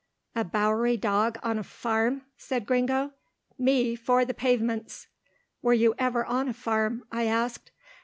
"A Bowery dog on a farm!" said Gringo. "Me for the pavements." "Were you ever on a farm?" I asked.